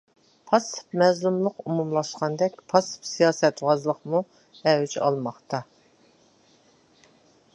پاسسىپ مەزلۇملۇق ئومۇملاشقاندەك، پاسسىپ سىياسەتۋازلىقمۇ ئەۋج ئالماقتا.